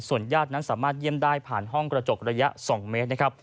ญาตินั้นสามารถเยี่ยมได้ผ่านห้องกระจกระยะ๒เมตรนะครับ